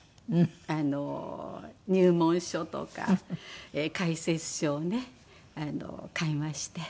入門書とか解説書をね買いまして。